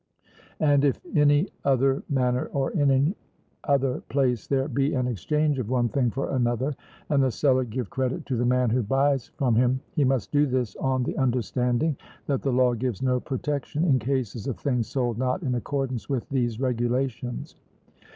And if in any other manner or in any other place there be an exchange of one thing for another, and the seller give credit to the man who buys from him, he must do this on the understanding that the law gives no protection in cases of things sold not in accordance with these regulations.